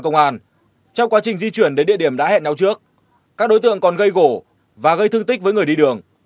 trong quá trình di chuyển đến địa điểm đã hẹn nhau trước các đối tượng còn gây gổ và gây thương tích với người đi đường